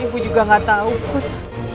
bu juga gak tau put